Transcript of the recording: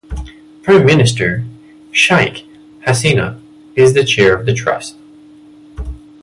Prime Minister Sheikh Hasina is the chair of the trust.